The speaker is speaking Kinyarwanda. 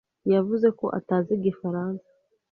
yavuze ko atazi igifaransa.